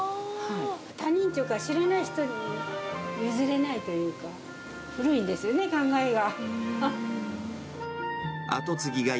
他人ちゅうか、知らない人に譲れないというか、古いんですよね、考えが。